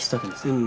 うん。